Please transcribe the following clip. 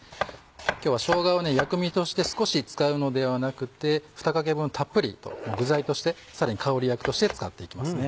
今日はしょうがを薬味として少し使うのではなくて２かけ分たっぷりと具材としてさらに香り役として使っていきますね。